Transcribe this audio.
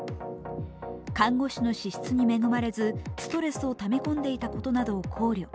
看護師の資質に恵まれずストレスをため込んでいたことなどを考慮。